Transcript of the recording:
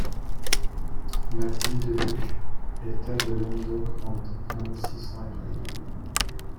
Mathilde lut : «Les terres de Languedoc rendent vingt.six cents fr.